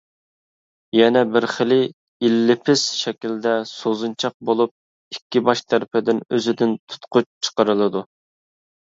يەنە بىر خىلى ئېللىپىس شەكلىدە سوزۇنچاق بولۇپ، ئىككى باش تەرىپىدىن ئۆزىدىن تۇتقۇچ چىقىرىلىدۇ.